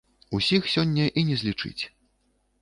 Усіх сёння і не злічыць.